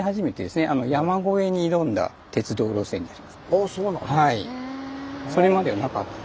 ああそうなんですか。